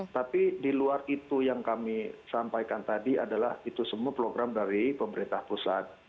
tapi di luar itu yang kami sampaikan tadi adalah itu semua program dari pemerintah pusat